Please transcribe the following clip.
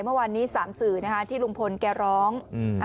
เมื่อวานนี้๓สื่อที่ลุงพลแกร้อง